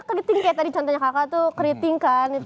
karena dia bisa keriting